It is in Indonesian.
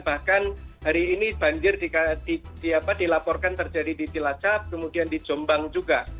bahkan hari ini banjir dilaporkan terjadi di cilacap kemudian di jombang juga